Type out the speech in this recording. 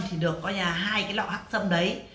thì được hai cái lọ hắc xâm đấy